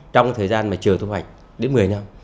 trong thời gian mà chờ thu hoạch đến một mươi năm